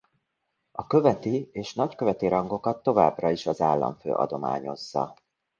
A követi és nagyköveti rangokat továbbra is az államfő adományozza.